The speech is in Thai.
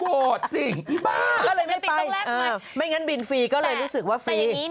สิอีบ้าก็เลยไม่ไปไม่งั้นบินฟรีก็เลยรู้สึกว่าฟรี